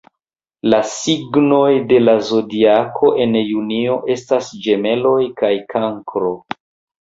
La signoj de la Zodiako en junio estas Ĝemeloj kaj Kankro.